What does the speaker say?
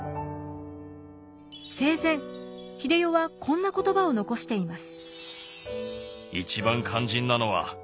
生前英世はこんな言葉を残しています。